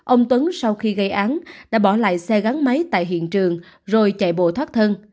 ông tuấn sau khi gây án đã bỏ lại xe gắn máy tại hiện trường rồi chạy bộ thoát thân